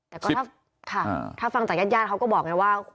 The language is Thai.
แต่ก็ถ้าฟังจากญาติญาติเขาก็บอกไงว่า